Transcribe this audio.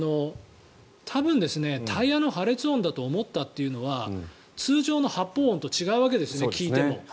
多分、タイヤの破裂音だと思ったというのは通常の発砲音と違うわけですね聞いても。